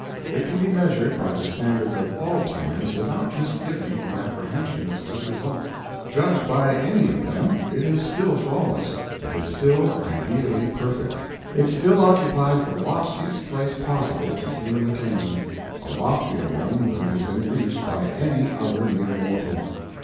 It can be measured by the standards of all times without misgiving or apprehension as to the result. Judged by any of them, it is still flawless, it is still ideally perfect; it still occupies the loftiest place possible to human attainment, a loftier one than has been reached by any other mere mortal.